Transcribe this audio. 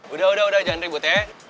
udah udah jangan ribut ya